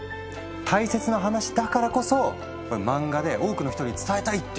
大切な話だからこそ漫画で多くの人に伝えたいっていう。